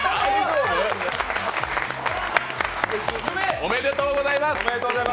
ありがとうございます！